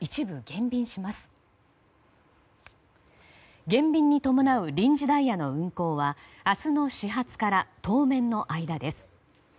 減便に伴う臨時ダイヤの運行は明日の始発から当面の間です。